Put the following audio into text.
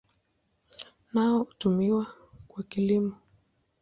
Nao hutumiwa kwa kilimo.